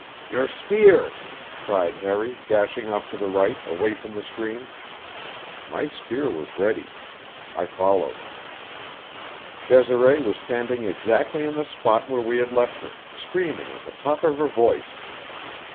"Your spear!" cried Harry, dashing off to the right, away from the stream. My spear was ready. I followed. Desiree was standing exactly in the spot where we had left her, screaming at the top of her voice.